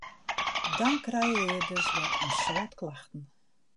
Dan krije je dus wer in soad klachten.